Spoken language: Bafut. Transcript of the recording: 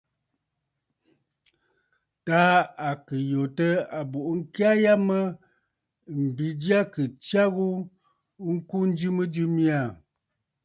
Taà à kɨ̀ yòtə̂ àbùʼu ŋkya ya mə mbi jyâ kɨ̀ tsya ghu ŋkuu njɨ mɨjɨ mya aà.